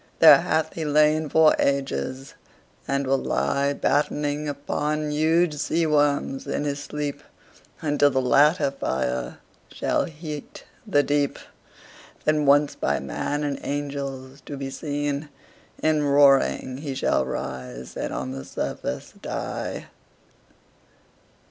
There hath he lain for ages, and will lie Battening upon huge sea worms in his sleep, Until the latter fire shall heat the deep; Then once by man and angels to be seen, In roaring he shall rise and on the surface die.